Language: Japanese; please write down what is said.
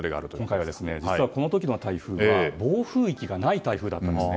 今回、実はこの時の台風は暴風域がない台風だったんですね。